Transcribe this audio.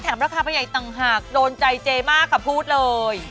ราคาประหยัดต่างหากโดนใจเจมากค่ะพูดเลย